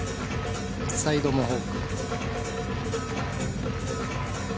サイドモホーク。